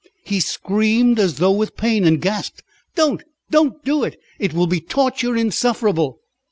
He screamed as though with pain, and gasped: "Don't! don't do it. It will be torture insufferable."